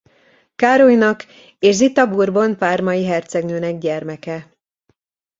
Károlynak és Zita Bourbon–parmai hercegnőnek gyermeke.